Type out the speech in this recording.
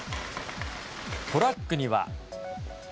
トラックには。